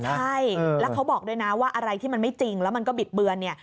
ใช่แล้วเขาบอกด้วยนะว่าอะไรที่มันไม่จริงแล้วมันก็บิดเบือนเนี่ย